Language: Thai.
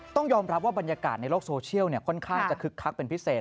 ต้องยอมรับว่าบรรยากาศในโลกโซเชียลค่อนข้างจะคึกคักเป็นพิเศษ